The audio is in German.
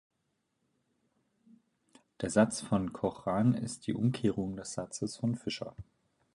Der Satz von Cochran ist die Umkehrung des Satzes von Fisher.